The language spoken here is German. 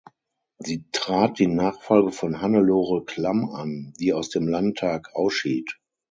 Sie trat die Nachfolge von Hannelore Klamm an, die aus dem Landtag ausschied.